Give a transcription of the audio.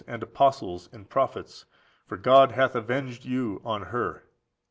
and apostles, and prophets; for God hath avenged you on her.